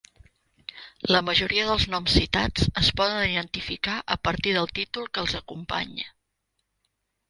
La majoria dels noms citats es poden identificar a partir del títol que els acompanya.